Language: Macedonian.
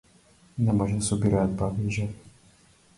Не може да се собираат баби и жаби.